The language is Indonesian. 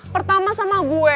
pertama sama gue